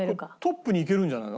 トップにいけるんじゃない？